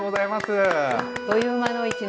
あっという間の１年。